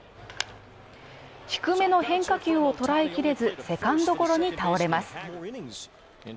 低めの変化球を捉えきれず、セカンドゴロに倒れます。